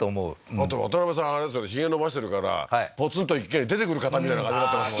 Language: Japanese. あと渡辺さんあれですよヒゲ伸ばしてるからポツンと一軒家に出てくる方みたいな感なってます